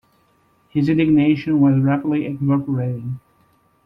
His indignation was rapidly evaporating.